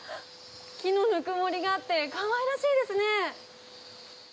木のぬくもりがあって、かわいらしいですね。